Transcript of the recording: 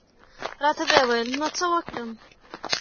را ته وې ویل نو څه وکړم؟